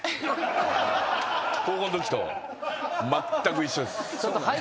高校のときとまったく一緒です。